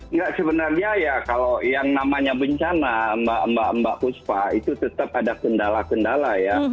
enggak sebenarnya ya kalau yang namanya bencana mbak puspa itu tetap ada kendala kendala ya